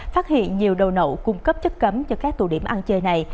phát hiện nhiều đầu nậu cung cấp chất cấm cho các tù điểm ăn chơi này